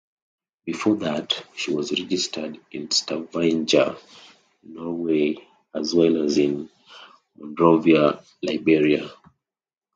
Before that, she was registered in Stavanger, Norway as well as in Monrovia, Liberia.